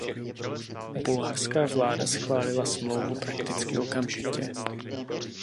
Bulharská vláda schválila smlouvu prakticky okamžitě.